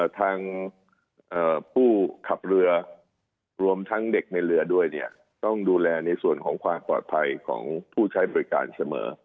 ทางผู้ขับเรือรวมทั้งเด็กในเรือด้วยเนี่ยต้องดูแลในส่วนของความปลอดภัยของผู้ใช้บริการเสมอ